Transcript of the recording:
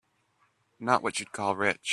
Not what you'd call rich.